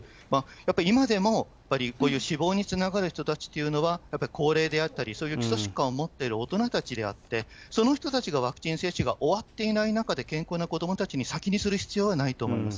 やっぱり今でも、やっぱりこういう死亡につながる人たちっていうのは、高齢であったり、そういう基礎疾患を持ってる大人たちであって、その人たちがワクチン接種が終わっていない中で健康な子どもたちに先にする必要はないと思います。